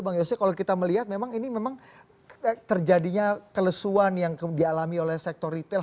bang yose kalau kita melihat memang ini memang terjadinya kelesuan yang dialami oleh sektor retail